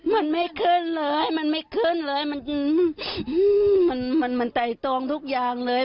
มันไม่ขึ้นเลยมันไม่ขึ้นเลยมันมันไต่ตองทุกอย่างเลย